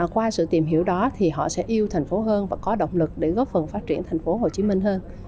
qua sự tìm hiểu đó họ sẽ yêu tp hcm hơn và có động lực để góp phần phát triển tp hcm hơn